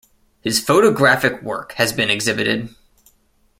His photographic work has been exhibited.